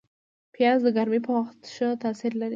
پیاز د ګرمۍ په وخت ښه تاثیر لري